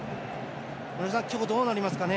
今日はどうなりますかね。